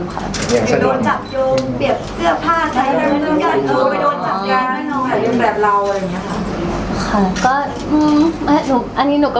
นี้น้องเขาก็ไม่ดูขนาดนั้นค่ะ